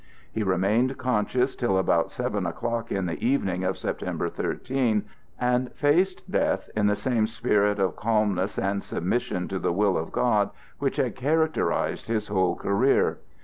He remained conscious till about seven o'clock in the evening of September 13, and faced death in the same spirit of calmness and submission to the will of God which had characterized his whole career.